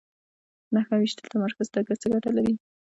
نښه ویشتل تمرکز ته څه ګټه لري؟